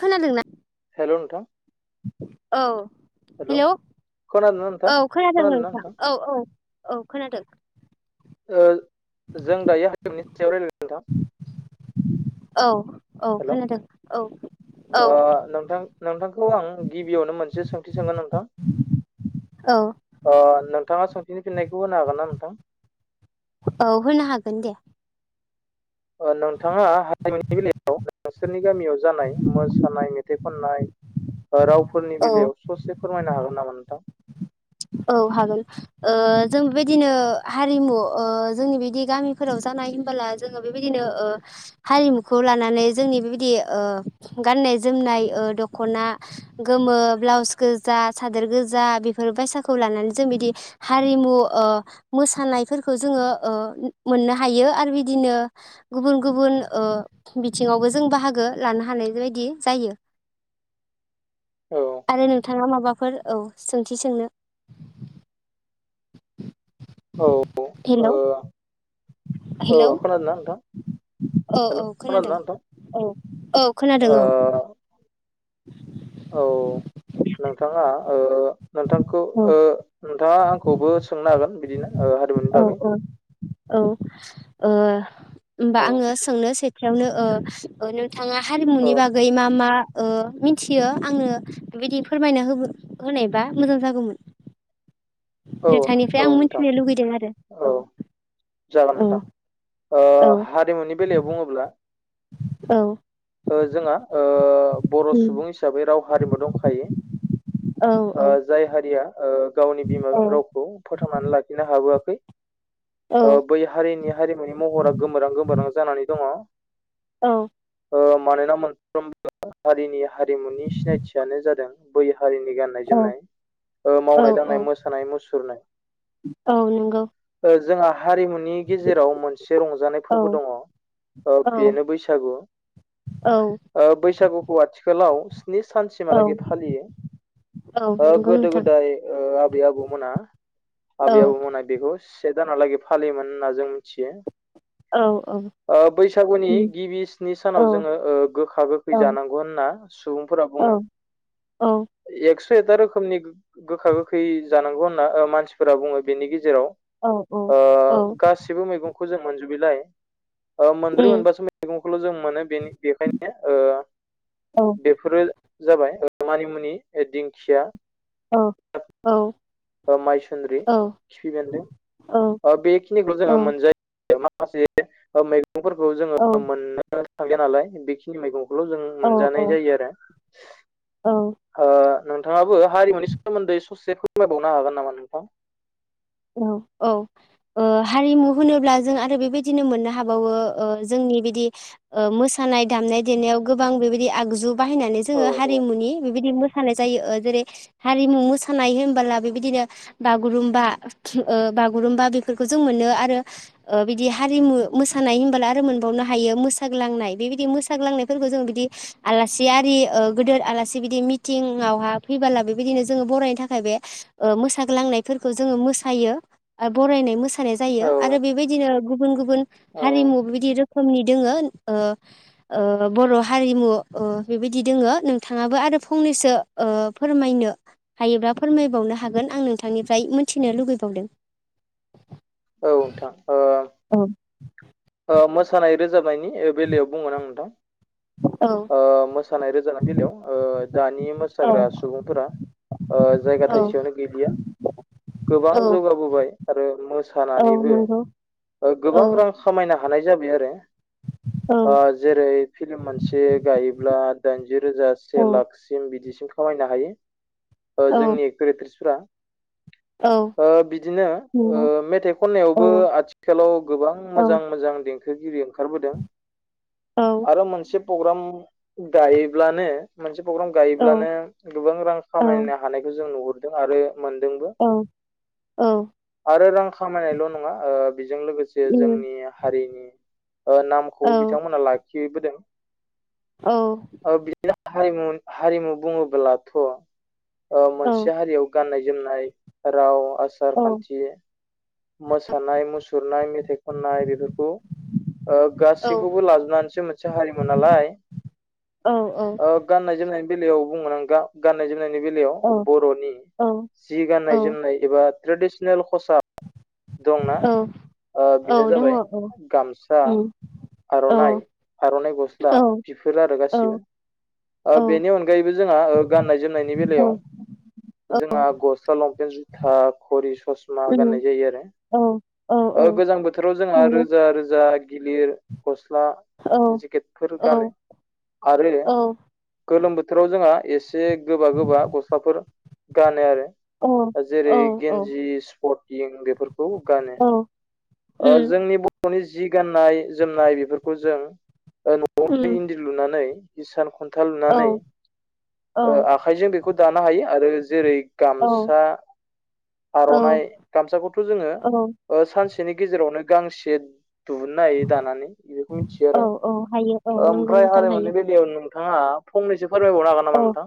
खोनादों ना? हेलौ नोंथां। औ हेल' हेलौ खोनादोंना नोंथां औ खोनादों खोनादोंना नोंथां औ औ। औ खोनादों। ओ जों दायो [unintelligible] सायाव रायलायलांदों नोंथां। औ औ हेल' खोनादों औ। औ ओ नोंथां- नोंथांखौ आं गिबियावनो मोनसे सोंथि सोंगोन नोंथां? औ ओ नोंथाङा सोंथिनि फिन्नायखौ होनो हागोन ना नोंथां? औ होनो हागोन दे। नोंथाङा हारिमुनि बेलायाव नोंसोरनि गामियाव जानाय मोसानाय, मेथाइ खननाय रावफोरनि औ बेलायाव ससे फोरमायनो हागोन नामा नोंथां? औ हागोन ओ जों बेबायदिनो हारिमु ओ जोंनि बिदि गामिफोराव जा [unintelligible] जोङो बेबायदिनो ओ हारिमुखौ लानानै जोंनि बेबायदि ओ गाननाय जोमनाय ओ दखना गोमो, ब्लाउस गोजा, सादोर गोजा बेफोर बायसा [unintelligible] लानानै जों बिदि हारिमु ओ मोसानायफोरखौ ओ जोङो मोननो हायो। आरो बिदिनो गुबुन -गुबुन ओ बिथिङावबो जों बाहागो लानो हानाय बायदि जायो औ आरो नोंथाङा माबाफोर औ सोंथि सोंनो। औ ओ हेलौ। औ हेलौ खोनादोंना नोंथां? औ औ हेलौ खोनादों खादोंना नोंथां? औ औ खोनादों ओ औ नोंथाङा ओ नोंथांखौ औ ओ नोंथाङा आंखौबो सोंनो हागोन बिदिनो हारिमुनि औ बागै। औ औ ओ होमबा औ आङो सोंनो सेथियावनो ओ [unintelligible] नोंथाङा औ हारिमुनि बागै मा -मा ओ मिथियो आंनो बेबायदि फोरमायना होनायबा मोजां जागौमोन। औ नोंथांनिफ्राय औ आं नोंथां मिथिनो लुगैदों आरो औ जागोन औ नोंथां हारिमुनि बेलायाव बुङोब्ला औ। जोंहा ओ बर' सुबुं हिसाबै राव हारिमु दंखायो। औ औ जाय हारिया ओ गावनि बिमा रावखौ फोथांनानै लाखिनो हाबोआखै बै हारिनि हारिमुनि महरा गोमोरां -गोबोरां जानानै दङ। औ। मानोना मोनफ्रोमबो हारिनि हारिमुनि सिनायथियानो जादों बै हारिनि गाननाय औ -जोमनाय, औ मावनाय- औ दांनाय, मोसानाय- औ नंगौ मुसुरनाय जोंहा हारिमुनि गेजेराव मोनसे रंजानाय औ फोरबो दङ। औ बेनो बैसागु औ ।ओ बैसागुखौ आथिखालाव स्नि औ सानसिमहालागै फालियो। नंगौ गोदो नोंथां -गोदाय ओ आबै -आबौमोना औ आबै- आबौमोना बेखौ से दानहालागै फालियोमोन होनना जों मिथियो। औ। औ ओ बैसागुनि गिबि स्नि सानाव औ जोङो गोखा -गोखै जानांगौ होनना सुबुं फोरा औ बुंङो औ। ए दा रोखोमनि गो-गोखा गोखै जानांगौ होनना मानसिफोरा बुंङो बेनि गेजेराव। औ। औ ओ औ गासिबो मैगंखौ जों मोनजोबैलाय ओ मोनब्रै उम मोनबासो मैगं खौल' जों मोनो बेनि बेखायनो ओ औ बेफोरो जाबाय मानिमुनि दिंखिया। औ औ। ओ माइसुन्द्रि औ खिफि बेन्दों औ ओ बेखिनिखौल' जोङो मोनजा माखासे ओ मैगंफोरखौ जोङो औ मोननो थांलिया नालाय बेखिनि मैगं खौल' जों मोनजानाय औ जायो आरो औ ओ नोंथाङाबो हारिमुनि सोमोन्दै ससे फोरमायबावनो हागोन नामा नोंथां? औ औ ओ हारिमु होनोब्ला जों आरो बेबायदिनो मोननो हाबावो ओ जों नि बिदि ओ मोसानाय दामनाय देनायाव गोबां बेबायदि आगजु बाहायनानै औ जोङो हारिमुनि बेबायदि मो सानाय जायो ओ जेरै हारिमु मोसानाय होनबोला बेबायदिनो बागुरुमबा ओ बागुरुम्बा बेफोरखौ जों मोनो आरो ओ बिदि हारिमु मोसानाय होनबोला आरो मोनबाव हायो मोसाग्लांनाय बेबादि मोसाग्लांनाय फोरखो जों बिदि आलासि आरि ओ गोदोर आलासि बिदि मिटिंआवहा फैबोला बेबायदिनो जोङो बरायनो थाखाय बे ओ मोसाग्लांनायफोरखौ जोङो मो सायो आरो बरायनाय मो सानाय जायो औ आरो बेबायदिनो गुबुन गुबुन औ हारिमु बिदि रोखोमनि दोङो ओ ओ बर' हारिमु ओ बेबायदि दोङो नोंथाङाबो आरो फंनैसो ओ फोरमायनो हायोब्ला फोरमायबावनो हागोन आं नोंथांनिफ्राय मोनथिनो लुगै बावदों। औ नोंथां। अ मोसानाय रोजाबनायनि बेलायाव बुंगोन आं नोंथां। औ। ओ मोसानाय रोजानाय बेलायाव ओ दानि औ मोसाग्रा सुबुंफोरा ओ जायगा थाइसेयावनो गैलिया गोबां जौगाबोबाय आरो मो औ सानानैबो नंगौ औ गोबां रां खामायनो हानाय जाबाय आरो। [inaudible] ओ जेरै फिल्म मोनसे गायोब्ला दाइनजि रोजा औ से लाखसिम बिदि खामायनो हायो ओ औ जोंनि एक्टर एक्ट्रिसफोरा। औ ओ बिदिनो ओ नंगौ मेथाइ औ खननायावबो आथिखालाव गोबां औ मोजां मोजां देंखोगिरि ओंखारबोदों आरो मोनसे प्रग्राम गायोब्लानो मोनसे प्रग्राम औ गायोब्लानो गोबां रां खामायनो हानायखौ जों नुहुरदों आरो मोनदोंबो औ औ आरो रां खामायनायल' नंङा ओ बेजों लोगोसे उम जोंनि हारिनि ओ औ नामखौबो बिथांमोना लाखिबोदों। औ। ओ बिदिनो हारिमु हारिमु बुंङोब्लाथ' ओ औ मोनसे हारियाव गाननाय जोनाय राव आसार खान्थि मोसानाय मुसुरनाय मेथाइ खननाय बेफोरखौ ओ गासैखौबो लाजोबनानैसो मोनसे हारिमु नालाय। औ ओ गाननाय जोमनायनि बेला याव बुंगोन आं गा-गाननाय जोमनायनि बेलायाव औ बर'नि औ जि गाननाय औ जोमनाय एबा ट्रेडिसनेल खसाब दंना औ ओ औ बेनो दङ जाबाय औ गामसा उम औ आर'नाइ आर'नाइ गस्ला औ बिफोर आरो औ गासिबो। औ ओ बेनि अनगायैबो जोंहा ओ गाननाय जोमनायनि औ बेलायाव उम औ जोंहा गसला जुथा घरी ससमा नंगौ गननाय जायो आलो औ औ ओ औ गोजां बोथो राव जोंहा औ रोजा रोजा गिलिर ग स्ला जेकेटफोर गानो आरो गोलोम बोथोराव जोंहा एसे गोबा गोबा गस्लाफोर गानो आरो। औ जेरै औ गेन्जि स्पटिं बेफोरखौ गानो। उम ओ जोंनि बर'नि जि गाननाय जोमनाय बेफोरखौ जों ओ न'आव उम इन्दि लुनानै हिसान खन औ लुनानै औ आखाइजों बेखौ दानो हायो आरो जेरै औ गामसा औ आरनाइ गामसाखौथ' जोङो औ सानसे गेजेरावनो गांसे। दिुहुननो हायो दानानै बे बेखौ मिथियो औ आरो औ हायो औ नंगौ ओमफ्राय नोंथां हारिमुनि हायो बेलायाव नोंथाङा फंनैसो। फोरमायबावनो हागोन औ नामा नोंथां?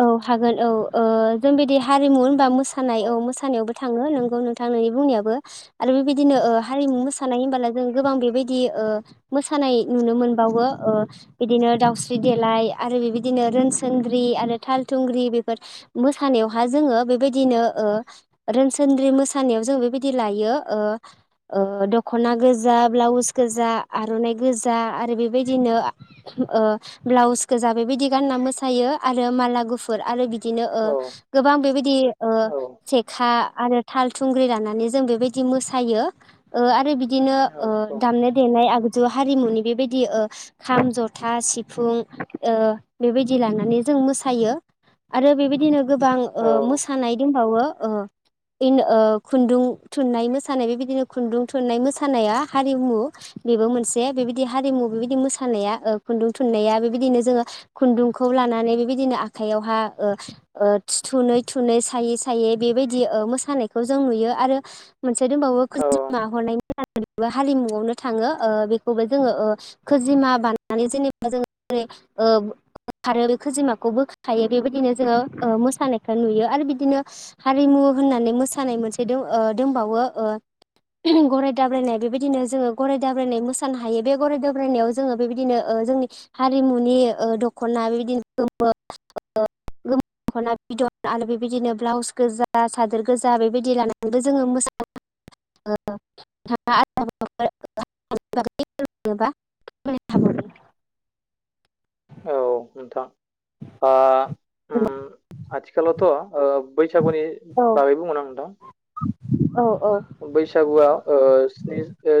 औ हागोन औ। जों बायदि हारिमु होनबा मोसानाय औ मोसानायावबो थाङो नोंगौ नोंथां नोंनि बुंनायाबो। आरो बेबायदिनो हारिमु मोसा मोसानाय होनबोला जों गोबां बेबायदि मोसानाय नुनो मोनबावो बिदिनो दाउस्रि देलाय आरो बिदि बिदिनो रोनसोनद्रि आरो दाहाल थुंग्रि बेफोर मोसानायावहा जोङो बेबायदिनो ओं रोनसोनद्रि मोसानायाव जों बेबायदि लायो दख'ना गोजा ब्लाउस गोजा आर'नाइ गोजा आरो बेबायदिनो। ब्लाउसखौ गोजा बेबायदि गानना मोसायो आरो माला गुफुर आरो बिदि। बिदिनो औ गोबां बेबायदि औ जेखा आरो दाहाल थुंग्रि लानानै जों बेबायदि मोसायो आरो बिदि। बिदिनो औ दामनाय देनाय। हारिमुनि बेबायदि खाम, जथा, सिफुं। बेबायदि लानानै जों मोसायो आरो बेबायदिनो औ गोबां मोसानाय दंबावो। ओं। खुन्दुं थुननाय मोसानाय बेबायदिनो खुन्दुं थुननाय मोसानाया हारिमु। बेबो मोनसे बेबायदि हारिमु बेबायदि मोसानाया खुन्दुं थुननाया बेबायदिनो जोङो। खुन्दुंखौ लानानै बेबायदिनो आखायावहाय थुनै थुनै सायै सायै बे बेबायदि मोसानायखौ जों नुयो आरो मोनसे दंबावो औ हारिमुआवनो थाङो बेखौबो जोङो खोजिमा बानायनानै जेनेबा जोङो। [inaudible] बे खोजिमाखौ बोखायो बेबायदिनो जोङो मोसानायखौ नुयो आरो बिदिनो हारि होननानै मोसानाय मोनसे दंबावो। गराय दाब्रायनाय बेबायदिनो जोङो गराय दाब्रायनाय मोसानो हायो बे गराय दाब्रायनायाव जोङो बेबायदिनो। जोंनि हारिमुनि दख'ना बेबायदिनो गोमो गोजा। दख'ना बिदन आरो बेबायदिनो ब्लाउस गोजा सादोर गोजा बेबायदि लानानैबो जोङो मोसानो [inaudible] [inaudible] औ नोंथां औ आथिखालावथ'। बैसागुनि औ बागैबो बुंगोन आं नोंथां। औ। बैसागुआव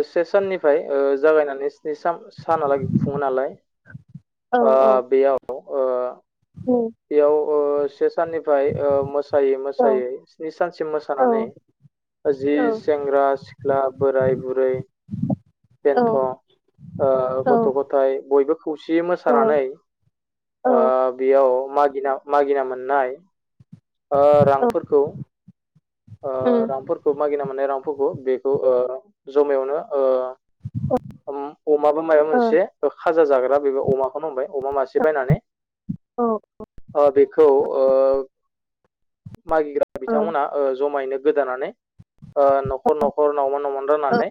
से साननिफ्राय जागायनानै स्नि सानहालागै खुङो नालाय। औ ओं बेयाव। ओ औ बेयाव। से साननिफ्राय मोसायै मोसायै स्नि सानसिम मोसानानै जि सेग्रा सिख्ला सिख्ला बोराय बुरै औ बेन्थ' गथ' गथाय बयबो। खौसे ओ मोसानानै औ ओ बेयाव मागिना मागिना मोननाय औ रांफोरखौ ओ उम रांफोरखौ मागिना मोननाय रांफोरखौ ओ बेखौ जमायावनो ओ अमाबो माबा ओ मोनसे खाजा जाग्रा बेबो अमाखौनो हबाय। अमा मासे बायनानै औ बेखौ मागिग्रा ओ बिथांमोना जमायैनो गोदानानै ओ न'खर औ न'खर नावमान नावमान राननानै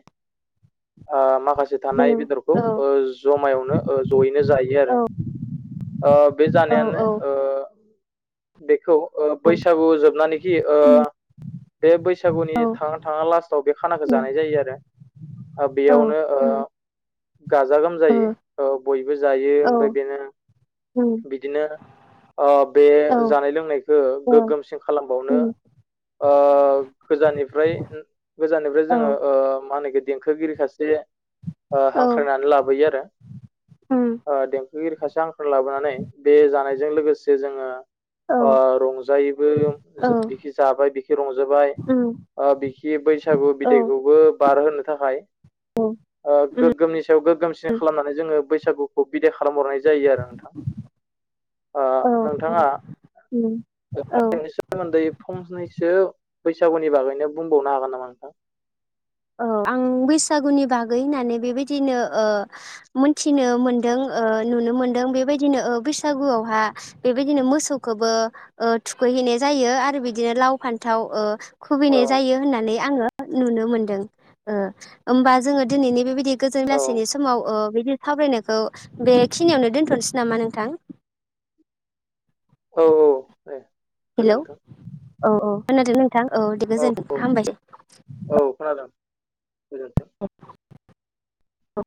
ओ माखासे उम थानाय बेदरखौ औ जमायावनो जयैनो जायो औ आरो। ओ बे औ जानायानो औ ओ बेखौ बैसागु जोबनानैखि ओ उम बे बैसागु बैसागुनि औ थांआं थाआं लास्टआव बे खानाखौ जानाय जायो आरो ओ बेयावनो ओ उम गाजा औ गोमजायै उम बयबो जायो ओ औ ओमफ्राय बेनो उम बिदिनो ओ बे औ जानाय लोंनायखौ ओ गोग्गोमसिन खालामबावनो उम ओ गोजाननिफ्राय गोजाननिफ्राय औ जोङो ओ मा होनो इखो देंखोगिरि सासे ओ औ हांख्रायनानै लाबोयो आरो उम ओ देंखोगिरि सासे हांख्राय लाबो नानै बे जानायजों लोगोसे जोङो औ उम औ ओ रंजायोबो औ बिखि जाबाय बिखि रंजाबाय उम ओ बिखि बैसागु बिदायखौबो बारहोनो थाखाय गोग्गोमनि सायाव गोग्गोमसिन खालामनानै जोङो बैसागुखौ बिदाय खालामहरनाय जायो आरो नोंथां ओ औ नोंथाङा ओम ओम [unintelligible] नि सोमोन्दै फंनैसो बैसागुनि बागैनो बुंबावनो हागोन नामा नोंथां औ आं बैसागुनि बागै होननानै बेबायदिनो ओ मोनथिनो मोनदों नुनो मोनदों बेबायदिनो बैसागुआवहा बेबायदिनो मोसौखौबो थुखै -हैनाय जायो आरो बिदिनो लाव फान्थाव औ खुबैनाय जायो होननानै आङो नुनो मोनदों होमबा जोङो दिनैनि बेबायदि गोजोन औ लासैनि समाव बिदि सावरायनाय खौ बेखिनियावनो दोन्थ'नोसै नामा नोंथां। औ औ दे हेलौ गोजोनथों। औ औ खोनादों नोंथां औ दे गोजोनथों औ हामबाय दे औ गोजोनथों अ